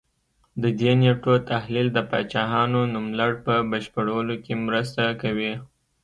د دې نېټو تحلیل د پاچاهانو نوملړ په بشپړولو کې مرسته کوي